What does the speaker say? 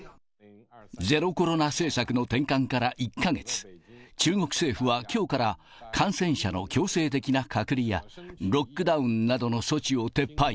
ゼロコロナ政策の転換から１か月、中国政府はきょうから、感染者の強制的な隔離やロックダウンなどの措置を撤廃。